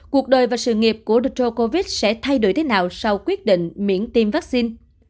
cuộc đời và sự nghiệp của dro covid sẽ thay đổi thế nào sau quyết định miễn tiêm vaccine